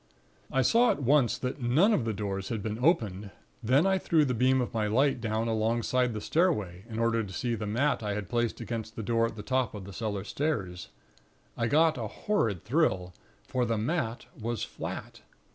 "I saw at once that none of the doors had been opened; then I threw the beam of my light down alongside the stairway, in order to see the mat I had placed against the door at the top of the cellar stairs. I got a horrid thrill; for the mat was flat!